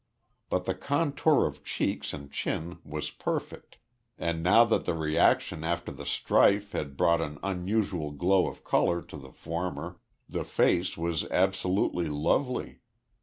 But the contour of cheeks and chin was perfect, and now that the reaction after the strife had brought an unusual glow of colour to the former the face was absolutely lovely.